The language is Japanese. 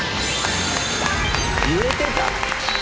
言えてた？